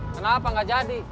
kenapa gak jadi